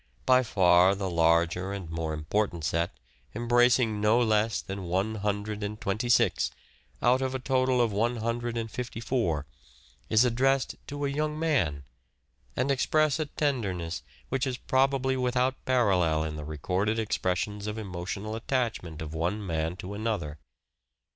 By far the larger and more important set embracing no less than one hundred and twenty six out of a total of one hundred and fifty four, is addressed to a young man, and express a tenderness, which is probably without parallel in the recorded expressions of emotional attachment of one man to another.